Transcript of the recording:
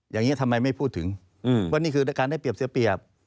อย่างนี้ทำไมไม่พูดถึงว่านี่คือการได้เปรียบเสียเปรียบ